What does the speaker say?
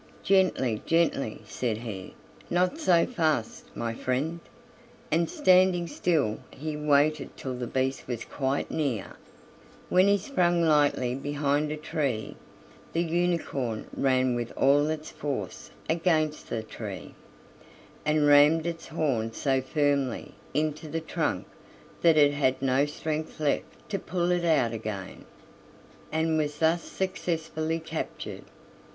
"Gently, gently," said he, "not so fast, my friend"; and standing still he waited till the beast was quite near, when he sprang lightly behind a tree; the unicorn ran with all its force against the tree, and rammed its horn so firmly into the trunk that it had no strength left to pull it out again, and was thus successfully captured.